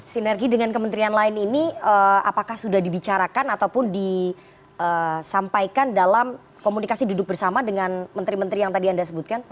sinergi dengan kementerian lain ini apakah sudah dibicarakan ataupun disampaikan dalam komunikasi duduk bersama dengan menteri menteri yang tadi anda sebutkan